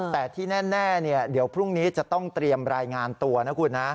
แต่ที่แน่เดี๋ยวพรุ่งนี้จะต้องเตรียมรายงานตัวนะคุณนะ